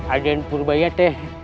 ada yang purbaia teh